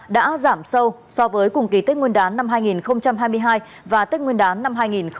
đã giảm sâu so với cùng kỳ tết nguyên đán năm hai nghìn hai mươi hai và tết nguyên đán năm hai nghìn hai mươi ba